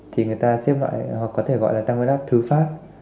thì người ta xếp loại hoặc có thể gọi là tăng huyết áp thứ phát